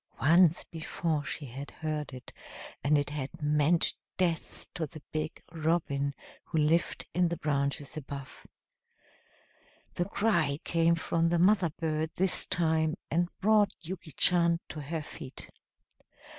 Once before she had heard it, and it had meant death to the big robin who lived in the branches above. The cry came from the mother bird this time and brought Yuki Chan to her feet.